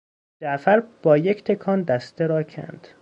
جعفر با یک تکان دسته را کند.